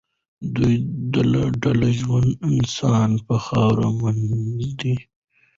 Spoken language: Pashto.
دوی ډله ډله ژوندي انسانان په خاورو منډي.